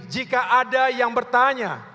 jika ada yang bertanya